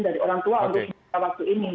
dari orang tua untuk saat ini